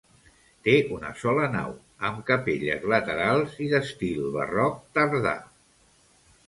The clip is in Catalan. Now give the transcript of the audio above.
Té una sola nau, amb capelles laterals i d'estil barroc tardà.